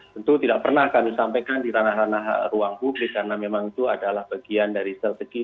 tentu tidak pernah kami sampaikan di ranah ranah ruang publik karena memang itu adalah bagian dari strategi